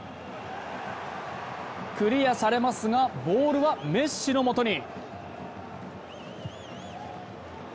クリアされますがボールはメッシのもとに。